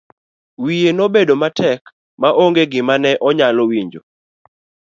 Wiye nobedo matek ma onge gima ne onyalo winjo.